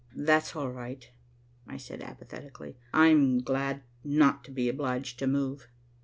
"That's all right," I said apathetically, "I'm glad not to be obliged to move."